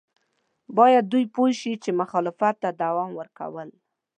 باید دوی پوه شي چې مخالفت ته دوام ورکول.